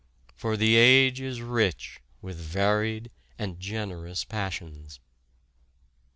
For the age is rich with varied and generous passions.